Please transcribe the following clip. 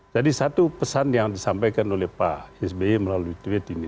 jadi satu pesan yang disampaikan oleh pak sby melalui tweet ini